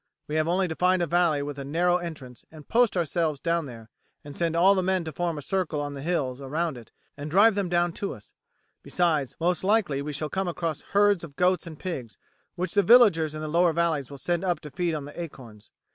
We have only to find a valley with a narrow entrance, and post ourselves there and send all the men to form a circle on the hills around it and drive them down to us; besides, most likely we shall come across herds of goats and pigs, which the villagers in the lower valleys will send up to feed on the acorns.